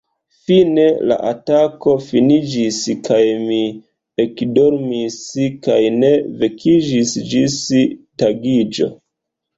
Fine, la atako finiĝis, kaj mi ekdormis kaj ne vekiĝis ĝis tagiĝo.